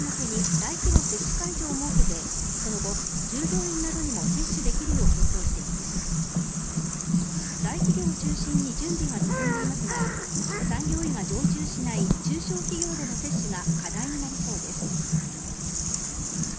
大企業を中心に準備が進んでいますが産業医が常駐しない中小企業での接種が課題になりそうです。